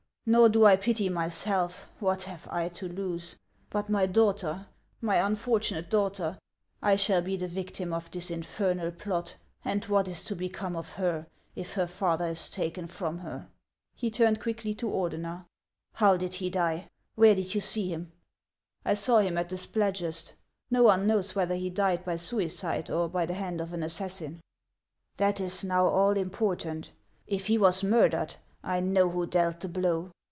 Nor do I pity myself; what have I to lose ? But my daughter, — my unfortunate daughter ! I shall be the victim of this infernal plot ; and what is to become of her, if her father is taken from her ?" He turned quickly to Ordener. " How did he die ? Where did you see him ?"" 1 saw him at the Spladgest. No one knows whether he died by suicide or by the hand of an assassin." " That is now all important. If he was murdered, I know who dealt the blow.